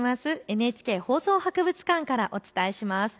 ＮＨＫ放送博物館からお伝えします。